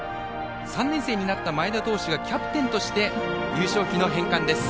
３年生になった前田投手がキャプテンとして優勝旗の返還です。